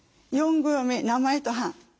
４行目名前と判。